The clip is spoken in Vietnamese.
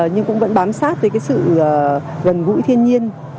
nhưng cũng vẫn bám sát với cái sự gần gũi thiên nhiên